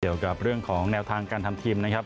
เกี่ยวกับเรื่องของแนวทางการทำทีมนะครับ